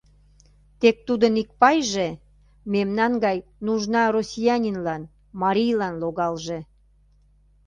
Тек тудын ик пайже мемнан гай нужна россиянинлан, марийлан логалже!